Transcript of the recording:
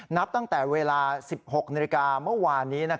นับตั้งแต่เวลา๑๖นาฬิกาเมื่อวานนี้